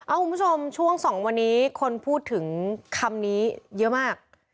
คุณผู้ชมช่วง๒วันนี้คนพูดถึงคำนี้เยอะมาก